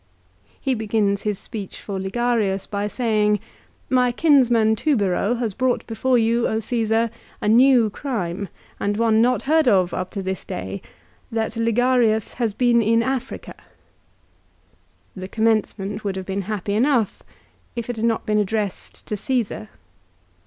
He begins his speech for Ligarius by saying, " My kins man Tubero has brought before you, Caesar, a new crime, and one not heard of up to this day, that Ligarius has been in Africa." 1 The commencement would have been happy enough if it had not been addressed to Csesar.